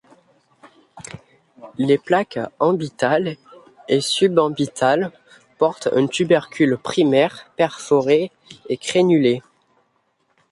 Les plaques ambitales et subambitales portent un tubercule primaire, perforé et crénulé.